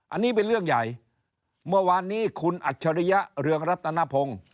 อันนี้เป็นเรื่องใหญ่เมื่อวานนี้คุณอัจฉริยะเรืองรัตนพงศ์